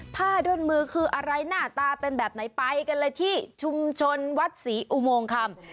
ด้นมือคืออะไรหน้าตาเป็นแบบไหนไปกันเลยที่ชุมชนวัดศรีอุโมงคำ